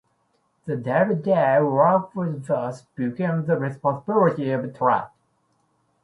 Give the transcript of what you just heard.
The day-to-day work with Bose became the responsibility of Trott.